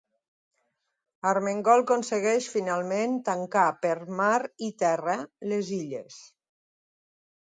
Armengol aconsegueix finalment tancar per mar i terra les Illes.